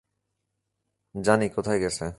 জানি কোথায় গেছে।